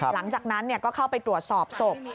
หลังจากนั้นก็เข้าไปตรวจสอบศพ